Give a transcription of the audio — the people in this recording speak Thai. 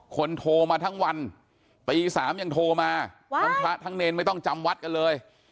โทรมาทั้งวันตี๓ยังโทรมาทั้งพระทั้งเนรไม่ต้องจำวัดกันเลย